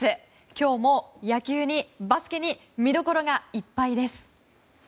今日も野球にバスケに見どころがいっぱいです。